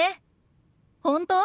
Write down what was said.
本当？